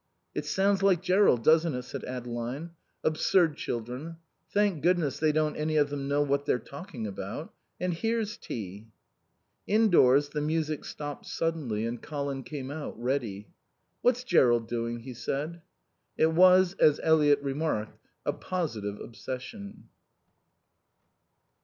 "It sounds like Jerrold, doesn't it?" said Adeline. "Absurd children. Thank goodness they don't any of them know what they're talking about.... And here's tea." Indoors the music stopped suddenly and Colin came out, ready. "What's Jerrold doing?" he said. It was, as Eliot remarked, a positive obsession.